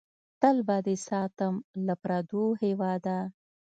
تل به دې ساتم له پردو هېواده!